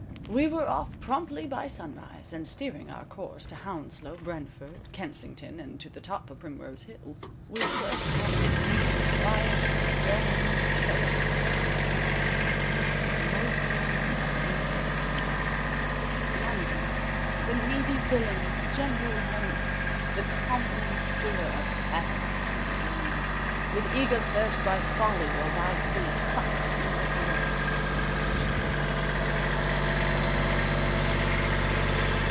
We were off promptly by sunrise, and steering our course to Houndslow, Brentford, Kensington, and to the top of Primrose Hill, we first caught sight of the spires, domes, turrets, temples and palaces of multitudinous, universal London. _"London, the needy villain's general home, The common sewer of Paris and of Rome; With eager thirst by folly or by fate, Sucks in the dregs of each corrupted state."